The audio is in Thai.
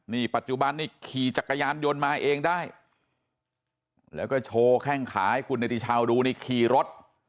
นี่ปัจจุบันนี้ขี่จักรยานยนต์มาเองได้แล้วก็โชว์แข้งขาให้คุณเนติชาวดูนี่ขี่รถ